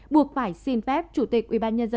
buộc phải xin phép chủ tịch ubnd